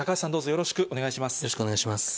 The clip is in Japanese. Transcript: よろしくお願いします。